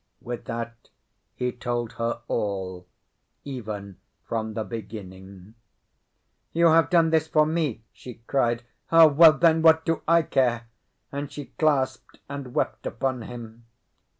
With that, he told her all, even from the beginning. "You have done this for me?" she cried "Ah, well, then what do I care!"—and she clasped and wept upon him.